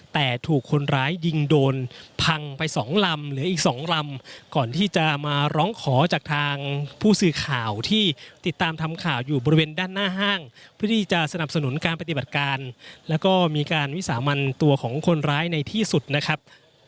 แต่ถูกคนร้ายยิงโดนพังไปสองลำเหลืออีกสองลำก่อนที่จะมาร้องขอจากทางผู้สื่อข่าวที่ติดตามทำข่าวอยู่บริเวณด้านหน้าห้างเพื่อที่จะสนับสนุนการปฏิบัติการแล้วก็มีการวิสามันตัวของคนร้ายในที่สุดนะครับ